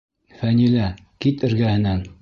Фәнилә, кит эргәһенән.